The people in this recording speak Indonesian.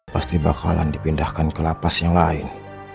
pasti bakalan dipindahkan ke lapas yang lain